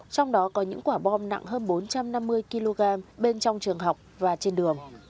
trong đó có những quả bom nặng hơn bốn trăm năm mươi kg bên trong trường học và trên đường